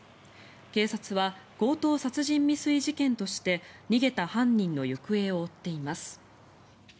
警察は強盗殺人未遂事件として逃げた犯人の行方を追っています。